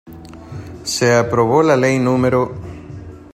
Se aprobó la Ley No.